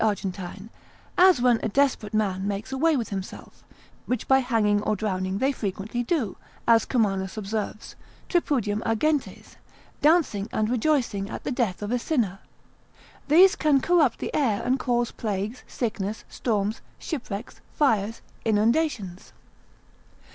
Argentine; as when a desperate man makes away with himself, which by hanging or drowning they frequently do, as Kommanus observes, de mirac. mort. part. 7, c. 76. tripudium agentes, dancing and rejoicing at the death of a sinner. These can corrupt the air, and cause plagues, sickness, storms, shipwrecks, fires, inundations.